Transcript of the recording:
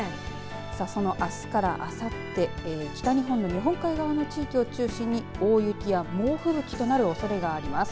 そのあすからあさって北日本の日本海側の地域を中心に大雪や猛吹雪となるおそれがあります。